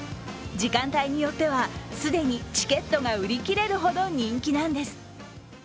時間帯によっては、既にチケットが売りきれるほど人気なんです。